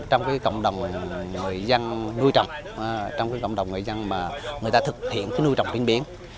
trong cộng đồng người dân nuôi trồng trong cộng đồng người dân mà người ta thực hiện nuôi trồng biến biến